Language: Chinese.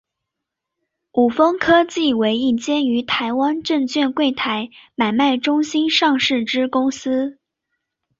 伍丰科技为一间于台湾证券柜台买卖中心上市之公司。